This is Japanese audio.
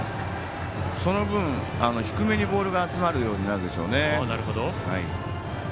その分低めにボールが集まるようになるでしょうね。